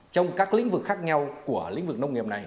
trong các lĩnh vực khác nhau của lĩnh vực nông nghiệp này